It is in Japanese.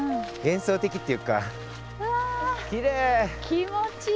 気持ちいい！